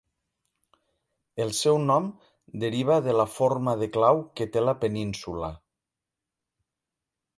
El seu nom deriva de la forma de clau que té la península.